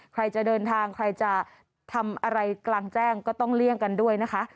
ใครจะเดินทางใครจะทำอะไรกลางแจ้งก็ต้องเลี่ยงกันด้วยนะคะ